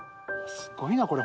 すごいなこれ。